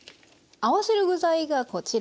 合わせる具材がこちらです。